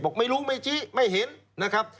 บอกไม่รู้ไม่ชี้ไม่เห็นนะครับ